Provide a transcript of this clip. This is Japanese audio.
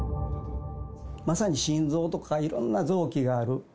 まさに心臓とか、いろんな臓器がある。